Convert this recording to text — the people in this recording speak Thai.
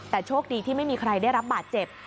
แต่โชคดีที่ไม่มีใครได้รับบาดเจ็บ